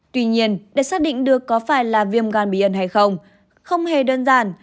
tuy nhiên để xác định được có phải là viêm gan bí ẩn hay không không hề đơn giản